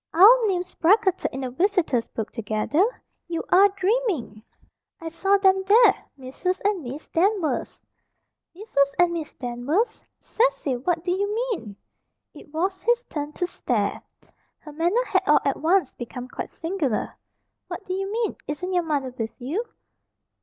"Our names bracketed in the visitors book together! You are dreaming!" "I saw them there Mrs. and Miss Danvers." "Mrs. and Miss Danvers! Cecil! what do you mean?" It was his turn to stare. Her manner had all at once become quite singular. "What do you mean? Isn't your mother with you?"